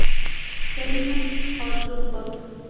Seminum Hortus Bot.